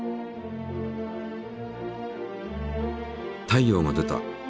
太陽が出た！